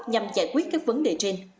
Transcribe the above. nhằm giải quyết các vấn đề trên